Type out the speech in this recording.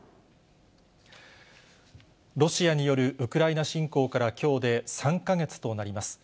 ロシアによるウクライナ侵攻から、きょうで３か月となります。